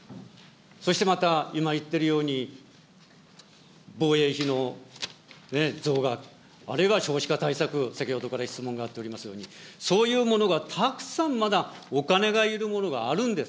そしてまた、今言ってるように、防衛費の増額、あるいは少子化対策、先ほどから質問があっておりますように、そういうものがたくさんまだ、お金がいるものがあるんです。